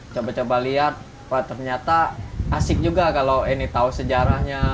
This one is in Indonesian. coba coba lihat wah ternyata asik juga kalau eni tahu sejarahnya